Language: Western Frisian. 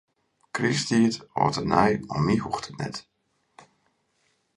Krysttiid, âld en nij, om my hoecht it net.